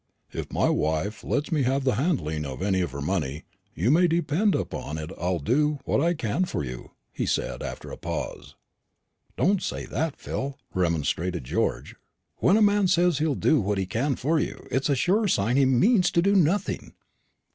"If my wife lets me have the handling of any of her money, you may depend upon it I'll do what I can for you," he said, after a pause. "Don't say that, Phil," remonstrated George. "When a man says he'll do what he can for you, it's a sure sign he means to do nothing.